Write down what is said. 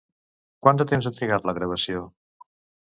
Quant de temps ha trigat la gravació?